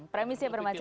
premisi ya pak masyid